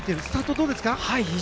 スタートどうですか？